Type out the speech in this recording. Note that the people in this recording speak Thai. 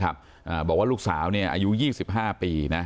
บอกว่าลูกสาวอายุ๒๕ปีนะ